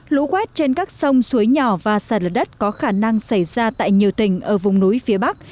lũ quét trên các sông suối nhỏ và sạt lở đất có khả năng xảy ra tại nhiều tỉnh ở vùng núi phía bắc